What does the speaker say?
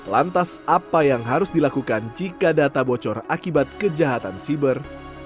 lantas apa yang harus dilakukan jika data bocor akibat kejahatan siber